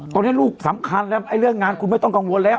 ตอนนี้ลูกสำคัญแล้วเรื่องงานคุณไม่ต้องกังวลแล้ว